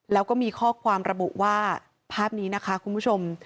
แล้วก็มีข้อความระบุว่าภาพนี้นะคะคุณผู้ชม